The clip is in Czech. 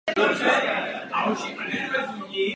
Sloužil zde především jako válečný zpravodaj.